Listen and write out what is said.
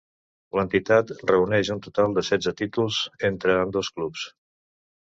L'entitat reuneix un total de setze títols entre ambdós clubs.